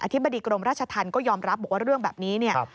ธิบดีกรมราชธรรมก็ยอมรับบอกว่าเรื่องแบบนี้เนี่ย